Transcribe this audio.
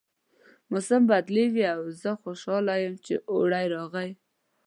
موسم بدلیږي او زه خوشحاله یم چې اوړی راغی